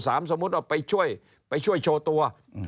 สมมุติเอาไปช่วยไปช่วยโชว์ตัว